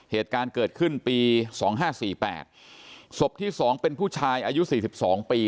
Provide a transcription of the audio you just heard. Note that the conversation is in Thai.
เหตุการณ์เกิดขึ้นปี๒๕๔๘ศพที่๒เป็นผู้ชายอายุ๔๒ปี